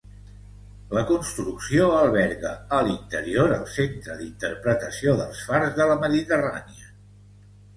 La construcció alberga a l'interior el centre d'interpretació dels fars de la Mediterrània.